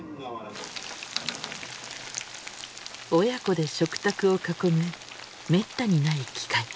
親子で食卓を囲むめったにない機会。